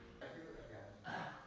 memulihkan jiwa yang sakit